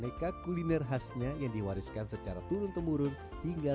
aneka kuliner khasnya yang diwariskan secara turun temurun hingga